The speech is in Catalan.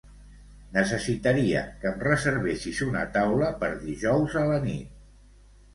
Necessitaria que em reservessis una taula per dijous a la nit.